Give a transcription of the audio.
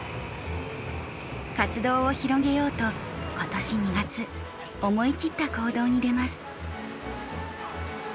活動を広げようと今年２月思い切った行動に出ます。